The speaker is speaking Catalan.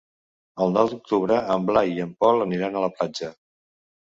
El nou d'octubre en Blai i en Pol aniran a la platja.